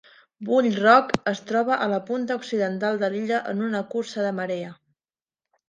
Bull Rock es troba a la punta occidental de l'illa en una cursa de marea.